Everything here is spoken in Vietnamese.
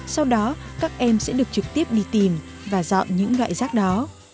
sau đó các em sẽ được trực tiếp đi tìm và dọn những loại rác đó